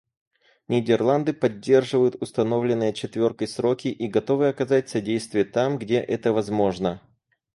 Нидерланды поддерживают установленные «четверкой» сроки и готовы оказать содействие там, где это возможно.